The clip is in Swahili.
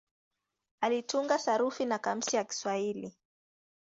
Alitunga sarufi na kamusi ya Kiswahili.